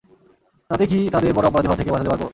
তাতেই কি তাদের বড় অপরাধী হওয়া থেকে বাচাতে পারব?